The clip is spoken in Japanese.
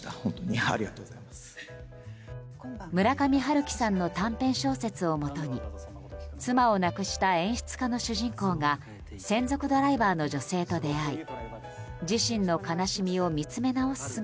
村上春樹さんの短編小説をもとに妻を亡くした演出家の主人公が専属ドライバーの女性と出会い自身の悲しみを見つめ直す